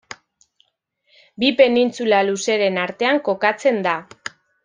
Bi penintsula luzeren artean kokatzen da.